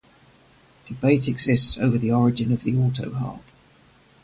Debate exists over the origin of the autoharp.